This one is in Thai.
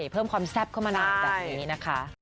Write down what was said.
เพิ่มความแซ่บเข้ามานานแบบนี้นะคะ